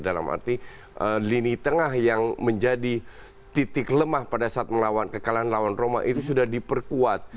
dalam arti lini tengah yang menjadi titik lemah pada saat melawan kekalahan lawan roma itu sudah diperkuat